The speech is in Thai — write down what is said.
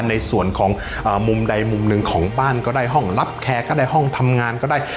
ในส่วนของมุมใดมุมหนึ่งของบ้านก็ได้ห้องรับแคร์ก็ได้ห้องทำงานก็ได้